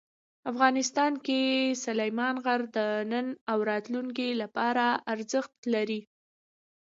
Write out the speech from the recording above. افغانستان کې سلیمان غر د نن او راتلونکي لپاره ارزښت لري.